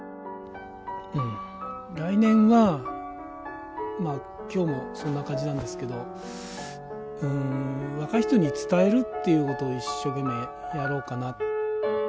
うん来年はまあ今日もそんな感じなんですけど若い人に伝えるっていうことを一生懸命やろうかな。